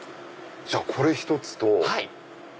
じゃこれ１つと。